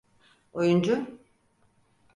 Oyuncu…